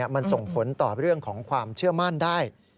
มันส่งผลต่อเรื่องของความเชื่อมั่นได้